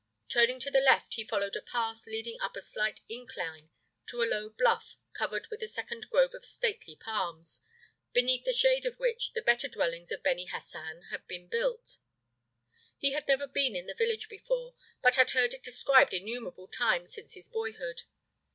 Turning to the left, he followed a path leading up a slight incline to the low bluff covered with a second grove of stately palms, beneath the shade of which the better dwellings of Beni Hassan have been built. He had never been in the village before, but had heard it described innumerable times since his boyhood.